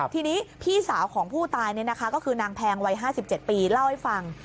ทีนี้พี่สาวของผู้ตายก็คือนางแพงวัย๕๗ปีเล่าให้ฟัง